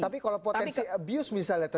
tapi kalau potensi abuse misalnya